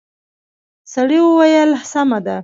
سړي وويل سمه ده.